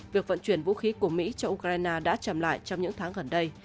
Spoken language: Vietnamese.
việc vận chuyển vũ khí của mỹ cho ukraine đã chậm lại trong những tháng gần đây